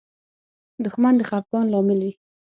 دښمن د خفګان لامل وي